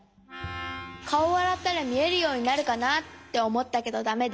かおあらったらみえるようになるかなっておもったけどだめで。